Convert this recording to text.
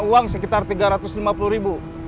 uang sekitar tiga ratus lima puluh ribu